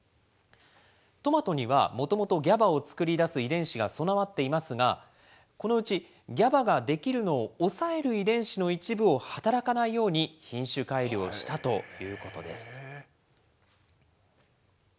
トマトにはもともとＧＡＢＡを作り出す遺伝子が備わっていますが、このうちＧＡＢＡが出来るのを抑える遺伝子の一部を働かないように品種改良したということです。